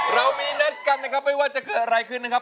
เรามีนัดกันนะครับไม่ว่าจะเกิดอะไรขึ้นนะครับ